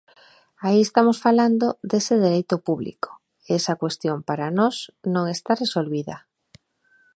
Aí estamos falando dese dereito público, e esa cuestión para nós non está resolvida.